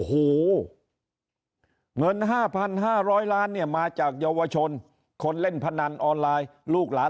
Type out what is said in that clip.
โอ้โหเงิน๕๕๐๐ล้านเนี่ยมาจากเยาวชนคนเล่นพนันออนไลน์ลูกหลาน